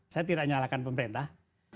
saya tidak menyalahkan pemerintah